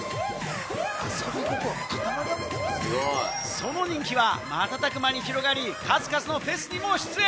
その人気は瞬く間に広がり、数々のフェスにも出演。